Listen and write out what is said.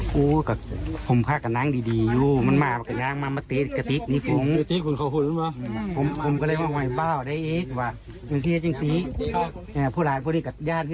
กูกับผมฆ่ากับนางดีดีอยู่มันมากับยางมามาเตะกับติ๊กนี่ฝง